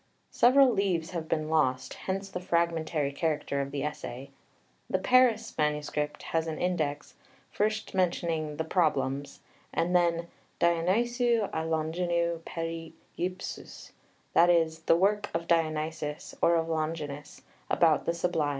Several leaves have been lost, hence the fragmentary character of the essay. The Paris MS. has an index, first mentioning the "Problems," and then ΔΙΟΝΥΣΙΟΥ Η ΛΟΓΓΙΝΟΥ ΠΕΡΙ ΥΨΟΥΣ, that is, "The work of Dionysius, or of Longinus, about the Sublime."